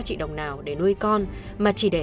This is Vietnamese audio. chị đồng nào để nuôi con mà chỉ để